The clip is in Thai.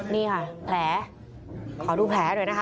นี่ค่ะแผลขอดูแผลหน่อยนะคะ